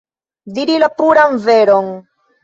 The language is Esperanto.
Diri la puran veron.